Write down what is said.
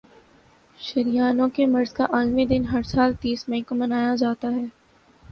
شریانوں کے مرض کا عالمی دن ہر سال تیس مئی کو منایا جاتا ہے